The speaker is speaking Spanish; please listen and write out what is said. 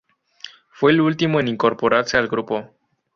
Fue el último en incorporarse al grupo.